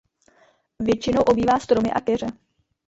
Většinou obývá stromy a keře.